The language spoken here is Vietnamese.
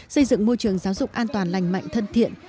xây dựng môi trường giáo dục an toàn lành mạnh thân thiện